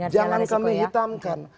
jangan kami hitamkan